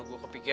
aku mau berbual